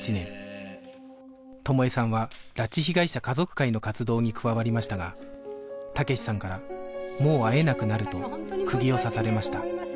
友枝さんは拉致被害者家族会の活動に加わりましたが武志さんから「もう会えなくなる」と釘を刺されました